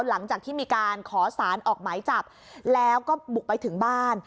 หลังจากที่มีการขอสารออกหมายจับแล้วก็บุกไปถึงบ้าน